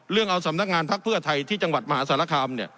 เรื่องเอาสำนักงานพักเพื่อไทยที่จังหวัดมหาสารคาม